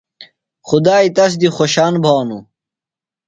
خُدائی تس دی خوشان بھانوۡ۔